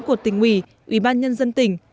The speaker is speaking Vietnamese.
của tỉnh ủy ủy ban nhân dân tỉnh